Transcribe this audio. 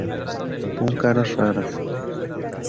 pon caras raras